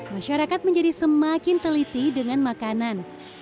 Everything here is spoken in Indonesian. masyarakat menjadi semakin teliti dengan makanan